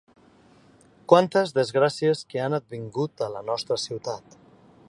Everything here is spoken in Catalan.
Quantes desgràcies que han advingut a la nostra ciutat!